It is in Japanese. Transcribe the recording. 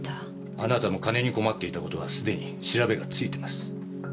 あなたも金に困っていた事はすでに調べがついてます。